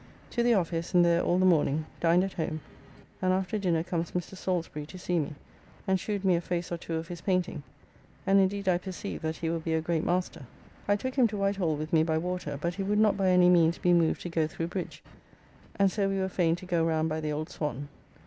To the office, and there all the morning, dined at home, and after dinner comes Mr. Salisbury to see me, and shewed me a face or two of his paynting, and indeed I perceive that he will be a great master. I took him to Whitehall with me by water, but he would not by any means be moved to go through bridge, and so we were fain to go round by the Old Swan.